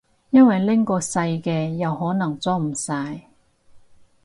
因為拎個細嘅又可能裝唔晒